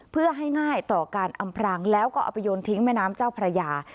เพื่อให้ง่ายต่อการอำพรางแล้วก็เอาไปโยนทิ้งแม่น้ำเจ้าพระยา